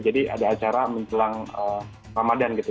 jadi ada acara menjelang ramadan gitu